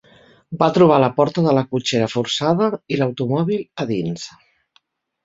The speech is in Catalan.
Va trobar la porta de la cotxera forçada i l'automòbil a dins.